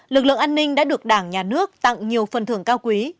lực lượng an ninh đã được đảng nhà nước tặng nhiều phần thưởng cao quý